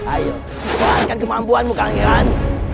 ayo keluarkan kemampuanmu kangeran